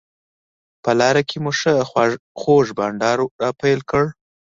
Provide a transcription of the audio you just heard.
په لاره کې مو ښه خوږ بانډار راپیل کړ.